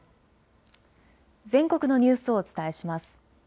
全国のニュースをお伝えします。